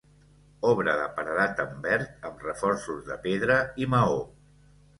Obra de paredat en verd amb reforços de pedra i maó.